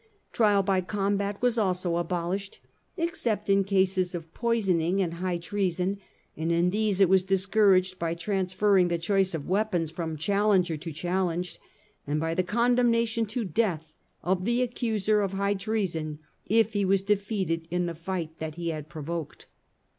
Trial by combat was also abolished, except in cases of poisoning and high treason, and in these it was discouraged by transferring the choice of weapons from challenger to challenged and by the condemnation to death of the accuser of high treason if he was defeated in the fight that he had provoked.